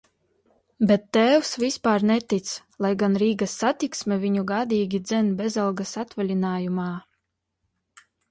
Bet tēvs vispār netic, lai gan Rīgas Satiksme viņu gādīgi dzen bezalgas atvaļinājumā.